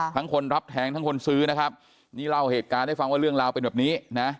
คนรับแทงทั้งคนซื้อนะครับนี่เล่าเหตุการณ์ให้ฟังว่าเรื่องราวเป็นแบบนี้นะ